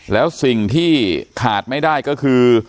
แล้วสิ่งที่ขาดไม่ได้ก็คือ